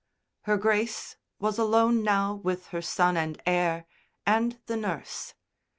Her Grace was alone now with her son and heir and the nurse.